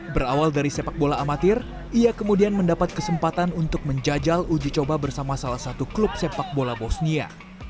berawal dari sepak bola amatir ia kemudian mendapat kesempatan untuk menjajal uji coba bersama salah satu klub sepak bola bosnia